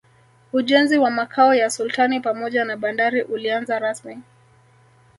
ujenzi wa makao ya sultani pamoja na bandari ulianza rasmi